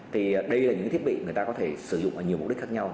thì đây là những thiết bị người ta có thể sử dụng ở nhiều mục đích khác nhau